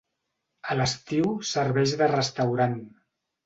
A l'estiu serveix de restaurant.